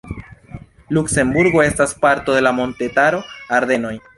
Luksemburgo estas parto de la montetaro Ardenoj.